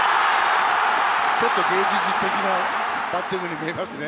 ちょっと芸術的なバッティングに見えますね。